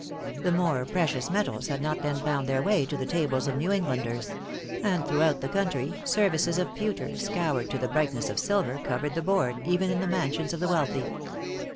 The more precious metals had not then found their way to the tables of New Englanders; and throughout the country, services of pewter, scoured to the brightness of silver, covered the board, even in the mansions of the wealthy.